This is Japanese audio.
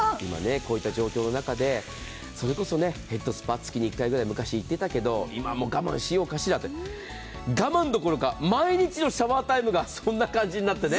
今、こういった状況の中で、それこそヘッドスパ月に１回くらい行ってたけど、今は我慢しようかしら、我慢どころか、毎日のシャワータイムがそんな感じになって。